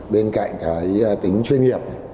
bên cạnh cái tính chuyên nghiệp